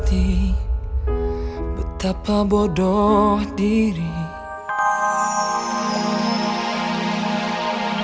terima kasih arkad ministris